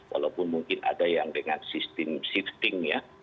walaupun mungkin ada yang dengan sistem shifting ya